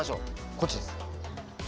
こっちです。